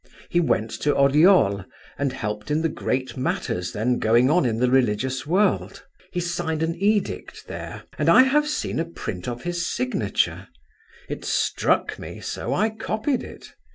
He went to Oreol and helped in the great matters then going on in the religious world; he signed an edict there, and I have seen a print of his signature; it struck me, so I copied it.